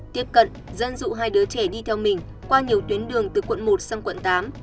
tiếp cận dân dụ hai đứa trẻ đi theo mình qua nhiều tuyến đường từ quận một sang quận tám